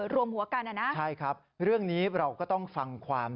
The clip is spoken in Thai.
รวมหัวกันอ่ะนะใช่ครับเรื่องนี้เราก็ต้องฟังความ